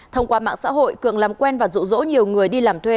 thông qua mạng xã hội cường làm quen và rụ rỗ nhiều người đi làm thuê